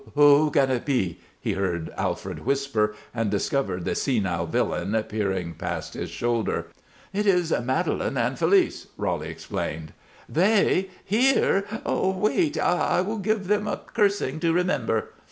Who can it be?" he heard Alfred whisper, and discovered the senile villain peering past his shoulder. "It is Madelon and Félice," Roly explained. "They! Here? Wait! I will give them a cursing to remember."